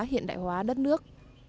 hiện đại hóa đất nước